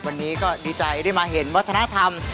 วันนี้ก็ดีใจได้มาเห็นวัฒนธรรม